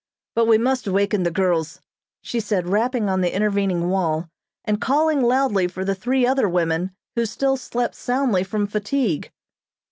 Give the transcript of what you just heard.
"But we must waken the girls," she said, rapping on the intervening wall, and calling loudly for the three other women who still slept soundly from fatigue.